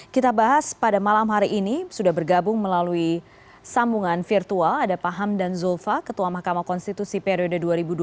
kita bahas pada malam hari ini sudah bergabung melalui sambungan virtual ada pak hamdan zulfa ketua mahkamah konstitusi periode dua ribu dua puluh